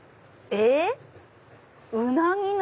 えっ？